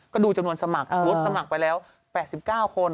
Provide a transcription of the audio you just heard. ก็ดูจำนวนสมัครสมมุติสมัครไปแล้ว๘๙คน